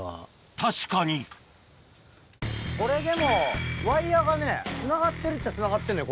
確かにこれでもワイヤがねつながってるっちゃつながってるのよ